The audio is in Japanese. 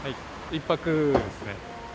１泊ですね。